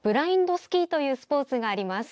スキーというスポーツがあります。